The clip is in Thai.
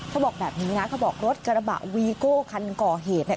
เขาบอกแบบนี้นะเขาบอกรถกระบะวีโก้คันก่อเหตุเนี่ย